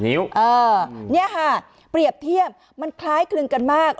นิ้วเนี่ยค่ะเปรียบเทียบมันคล้ายคลึงกันมาก